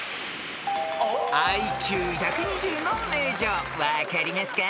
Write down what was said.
［ＩＱ１２０の名城分かりますか？］